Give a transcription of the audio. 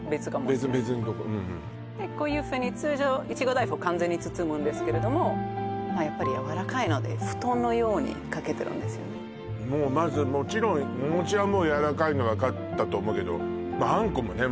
うんうんこういうふうに通常いちご大福を完全に包むんですけれどもやっぱりやわらかいのでもうまずもちろんお餅はやわらかいの分かったと思うけどあんこもね